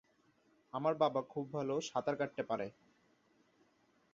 আমার বাবা খুব ভাল সাঁতার কাটতে পারে।